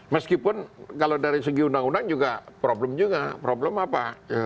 meskipun kalau dari segi undang undang juga problem juga problem apa